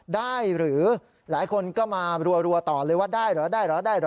ได้หรือหลายคนก็มารัวต่อเลยว่าได้เหรอได้เหรอได้เหรอ